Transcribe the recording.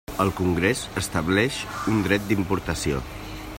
El Congrés estableix un dret d'importació.